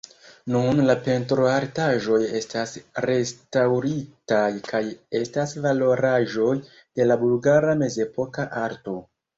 Nun la pentroartaĵoj estas restaŭritaj kaj estas valoraĵoj de la bulgara mezepoka arto.